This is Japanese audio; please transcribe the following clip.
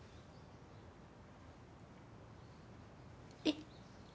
えっ？